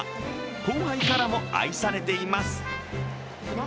後輩からも愛されています。